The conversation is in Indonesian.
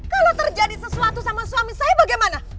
kalau terjadi sesuatu sama suami saya bagaimana